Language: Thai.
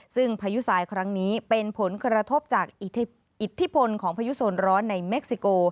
ซึ่งพายุทรายครั้งนี้เป็นผลกระทบจากอิทธิพลของพายุโซนร้อนในเม็กซิโก